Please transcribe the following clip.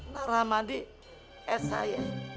nah rahmadi esay